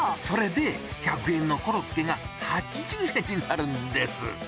それで、１００円のコロッケが８０円になるんです。